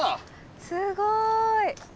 すごい。